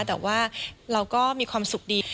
แต่ว่าเราก็มีความสุขดี